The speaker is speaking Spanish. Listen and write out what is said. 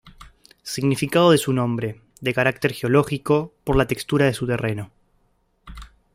Significado de su nombre:De carácter geológico, por la textura de su terreno.